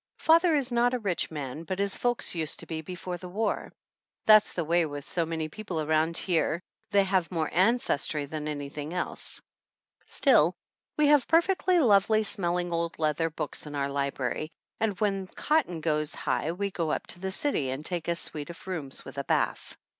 . Father is not a rich man, but his folks used to be before the war. That's the way with so many people around here, they have more ancestry 7 THE ANNALS OF ANN than anything else. Still, we have perfectly lovely smelling old leather books in our library, and when cotton goes high we go up to the city and take a suite of rooms with a bath.